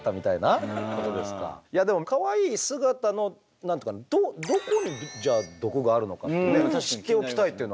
いやでもかわいい姿のどこにじゃあ毒があるのかって知っておきたいっていうのはありますが。